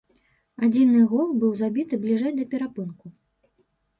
Адзіны гол быў забіты бліжэй да перапынку.